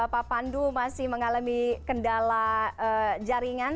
pak pandu masih mengalami kendala jaringan